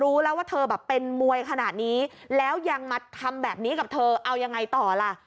รู้แล้วว่าเธอแบบเป็นมวยขนาดนี้แล้วยังมาทำแบบนี้กับเธอเอายังไงต่อล่ะ